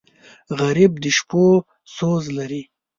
غریب د شپو سوز لري